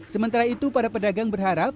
sementara itu para pedagang berharap